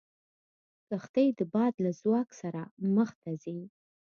کښتۍ د باد له ځواک سره مخ ته ځي.